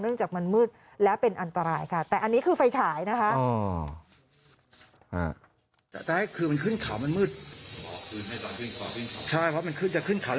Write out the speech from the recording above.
จากมันมืดและเป็นอันตรายค่ะแต่อันนี้คือไฟฉายนะคะ